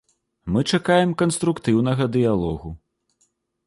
Мы чакаем канструктыўнага дыялогу.